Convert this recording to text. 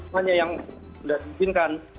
hanya yang sudah diizinkan